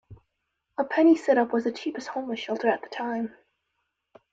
A penny sit-up was the cheapest homeless shelter at that time.